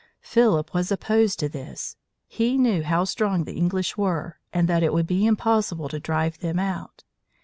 Philip was opposed to this. He knew how strong the English were, and that it would be impossible to drive them out.